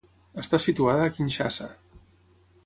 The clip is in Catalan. Està situada a Kinshasa.